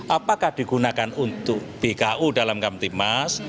apakah digunakan untuk bku dalam kamp timas